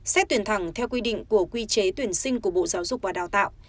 xét tuyển thẳng theo quy định của quy chế tuyển sinh của bộ giáo dục và đào tạo